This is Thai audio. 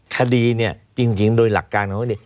คดีจริงโดยหลักการของคดี